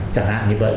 chẳng hạn như vậy